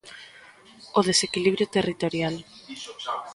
O desequilibrio territorial.